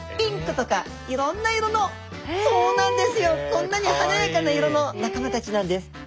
こんなに華やかな色の仲間たちなんです。